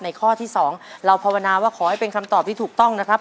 ข้อที่๒เราภาวนาว่าขอให้เป็นคำตอบที่ถูกต้องนะครับ